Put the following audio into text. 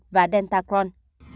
và delta crohn